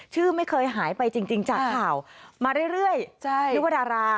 ชื่อไม่เคยหายไปจริงจากข่าวมาเรื่อยนึกว่าดารา